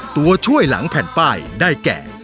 ตัวช่วยหลังแผ่นป้ายได้แก่